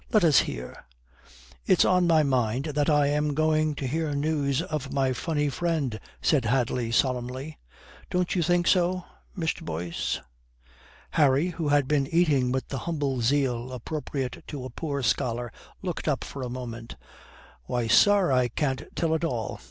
Let us hear." "It's on my mind that I am going to hear news of my funny friend," said Hadley solemnly. "Don't you think so, Mr. Boyce?" Harry, who had been eating with the humble zeal appropriate to a poor scholar, looked up for a moment: "Why, sir, I can't tell at all.